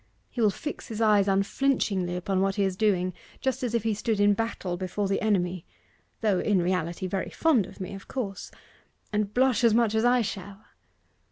He will fix his eyes unflinchingly upon what he is doing just as if he stood in battle before the enemy (though, in reality, very fond of me, of course), and blush as much as I shall.